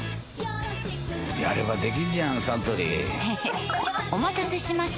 やればできんじゃんサントリーへへっお待たせしました！